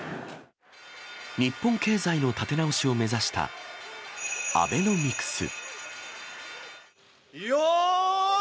日本経済の立て直しを目指したアベノミクス。